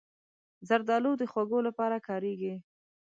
زردالو د خوږو لپاره کارېږي.